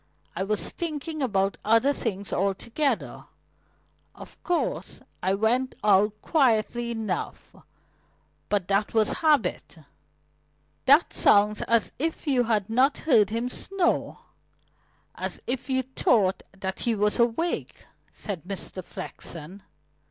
I was thinking about other things altogether. Of course, I went out quietly enough. But that was habit." "That sounds as if you had not heard him snore as if you thought that he was awake," said Mr. Flexen.